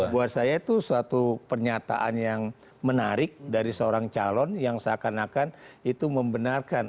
buat saya itu suatu pernyataan yang menarik dari seorang calon yang seakan akan itu membenarkan